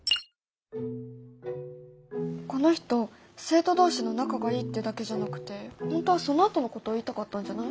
この人生徒同士の仲がいいってだけじゃなくて本当はそのあとのことを言いたかったんじゃない？